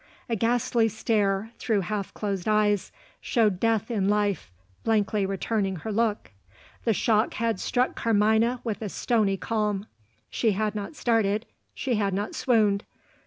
A ghastly stare, through half closed eyes, showed death in life, blankly returning her look. The shock had struck Carmina with a stony calm. She had not started, she had not swooned.